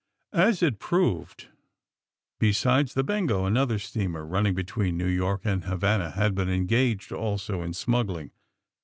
As it proved, besides the Bengo," another steamer, running between New York and Ha^ vana, had been engaged also in smuggling.